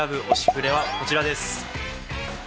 プレはこちらです。